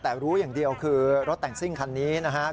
แต่รู้อย่างเดียวคือรถแต่งซิ่งคันนี้นะครับ